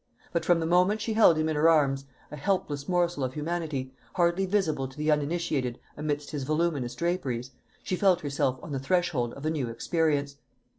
But from the moment she held him in her arms, a helpless morsel of humanity, hardly visible to the uninitiated amidst his voluminous draperies, she felt herself on the threshold of a new existence.